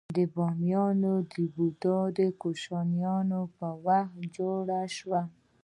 د بامیان بودا د کوشانیانو په وخت جوړ شو